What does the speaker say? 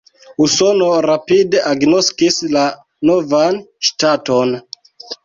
Usono rapide agnoskis la novan ŝtaton.